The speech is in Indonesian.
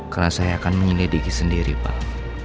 karena saya akan menyelidiki sendiri pak